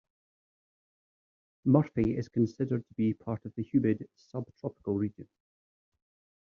Murphy is considered to be part of the humid subtropical region.